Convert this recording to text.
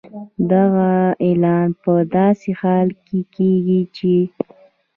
دغه اعلان په داسې حال کې کېږي چې